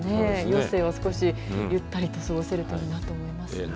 余生を少し、ゆったりと過ごせるといいなと思いますね。